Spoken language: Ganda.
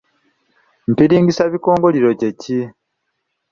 Empiringisabikongoliro kye ki?